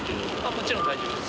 もちろん大丈夫です。